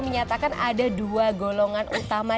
menyatakan ada dua golongan utama